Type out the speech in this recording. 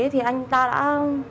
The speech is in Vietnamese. thì anh ta đã